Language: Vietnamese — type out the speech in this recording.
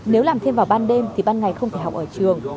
nếu làm thêm vào ban đêm thì ban ngày không phải học ở trường